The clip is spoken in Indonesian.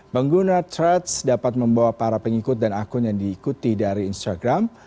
pengguna threads dapat membawa para pengikut dan akun yang diikuti dari instagram